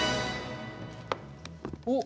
おっ。